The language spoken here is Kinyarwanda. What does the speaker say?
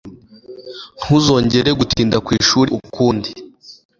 Ntuzongere gutinda kwishuri ukundi.